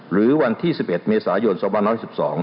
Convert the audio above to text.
หรือวันที่๑๑เมษายน๒๑๖๒